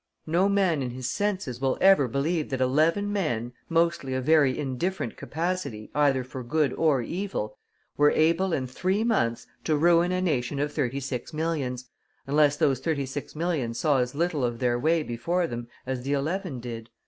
No man in his senses will ever believe that eleven men, mostly of very indifferent capacity either for good or evil, were able in three months to ruin a nation of thirty six millions, unless those thirty six millions saw as little of their way before them as the eleven did.